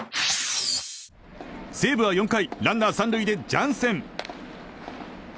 西武は４回ランナー３塁でジャンセン。